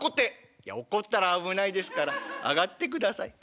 「いや落っこったら危ないですから上がってください」。